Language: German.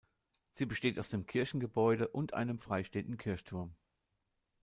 Sie besteht aus dem Kirchengebäude und einem freistehenden Kirchturm.